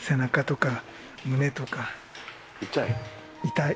痛い？